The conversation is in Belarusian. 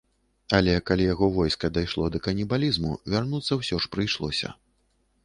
Але калі яго войска дайшло да канібалізму, вярнуцца ўсё ж прыйшлося.